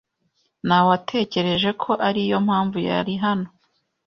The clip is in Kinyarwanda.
Nawetekereje ko ariyo mpamvu yari hano.